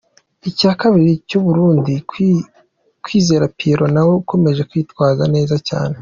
Icya kabiri ni icy’Umurundi Kwizera Pierrot na we ukomeje kwitwara neza cyane.